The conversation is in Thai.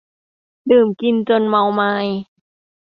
ดื่มกินจนเมามาย